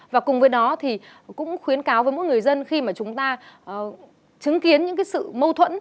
và cùng với đó thì cũng khuyến cáo với mỗi người dân khi mà chúng ta chứng kiến những cái sự mâu thuẫn